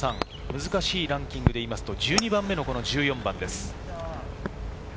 難しいランキングでいうと１２番目の１４番です。